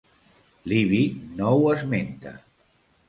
Livy no ho esmenta.